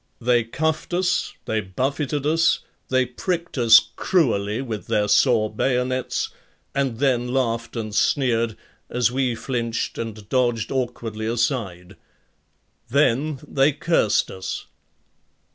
They cuffed us, they buffeted us, they pricked us cruelly with their saw bayonets and then laughed and sneered as we flinched and dodged awkwardly aside. Then they cursed us.